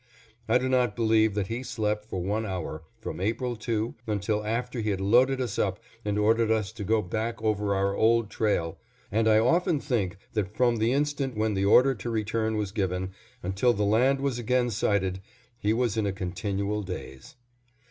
I do not believe that he slept for one hour from April 2 until after he had loaded us up and ordered us to go back over our old trail, and I often think that from the instant when the order to return was given until the land was again sighted, he was in a continual daze.